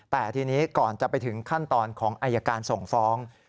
แต่ทีนี้ก่อนจะไปถึงขั้นตอนของอายการส่งฟ้อง